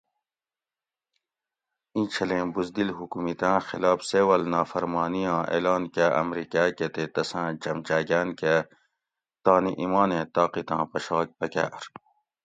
اِینچھلیں بزدل حکومتاۤں خلاف سِول نافرمانی آں اعلان کاۤ امریکاۤ کہ تے تساۤں چمچاۤگاۤن کہ تانی ایمانیں طاقتاں پشاگ پکاۤر